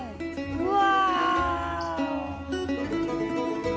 うわ！